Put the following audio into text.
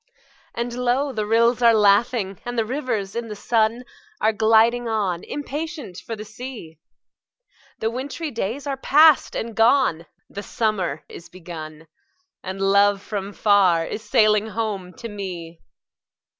And low the rills are laughing, and the rivers in the sun Are gliding on, impatient for the sea; The wintry days are past and gone, the summer is begun, And love from far is sailing home to me!